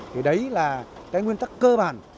thì đấy là cái nguyên tắc cơ bản